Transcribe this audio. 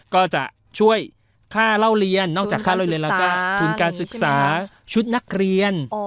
ก็จะช่วยค่าเล่าเรียนนอกจากค่าเล่าเรียนแล้วก็ทุนการศึกษาชุดนักเรียน